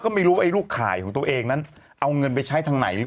ก็ไม่รู้ว่าไอ้ลูกข่ายของตัวเองนั้นเอาเงินไปใช้ทางไหน